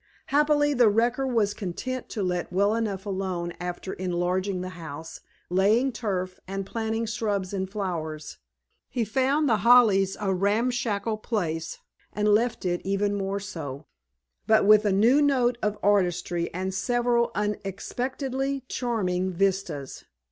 Happily, the wrecker was content to let well enough alone after enlarging the house, laying turf, and planting shrubs and flowers. He found The Hollies a ramshackle place, and left it even more so, but with a new note of artistry and several unexpectedly charming vistas.